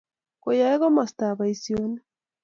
koyae komostab boisionik